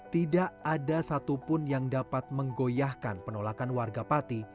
tidak ada satupun yang dapat menggoyahkan penolakan warga pati